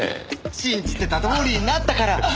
信じてたとおりになったから。